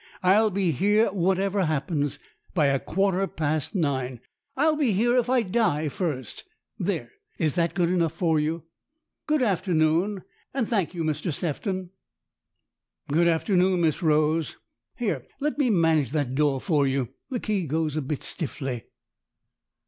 " I'll be here, whatever happens, by a quarter past nine. I'll be here if I die first ! There, is that good enough for you ? Good after noon, and thank you, Mr Sefton." " Good afternoon, Miss Rose. Let me manage that door for you the key goes a bit stiffly."